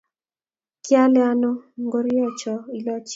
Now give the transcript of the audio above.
kialee ano ngoroicho ilochi?